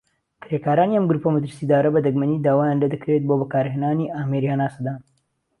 کرێکارانی ئەم گرووپە مەترسیدارە بە دەگمەنی داوایان لێدەکرێت بۆ بەکارهێنانی ئامێری هەناسەدان.